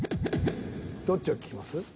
どっちを聞きます？